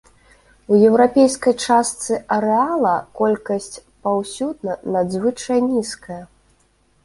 У еўрапейскай частцы арэала колькасць паўсюдна надзвычай нізкая.